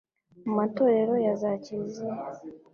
mu matorero ya za kiriziya,